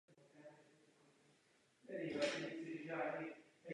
Můžeme sjednotit opatření jednotlivých států?